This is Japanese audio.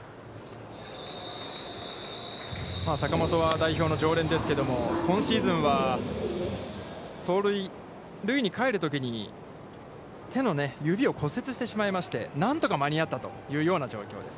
坂本は代表の常連ですけど、今シーズンは走塁、塁に帰るときに、手の指を骨折してしまいまして、何とか間に合ったというような状況です。